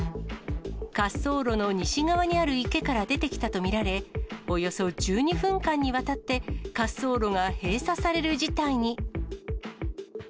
滑走路の西側にある池から出てきたと見られ、およそ１２分間にわたって、滑走路が閉鎖される事態に。